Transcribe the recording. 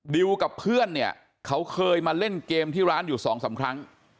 ดิวกับเพื่อนเนี่ยเขาเคยมาเล่นเกมที่ร้านอยู่สองสามครั้ง